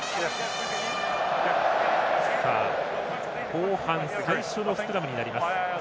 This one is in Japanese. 後半最初のスクラムになります。